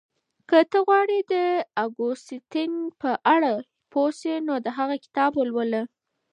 که ته غواړې د اګوستين په اړه پوه شې نو د هغه کتاب ولوله.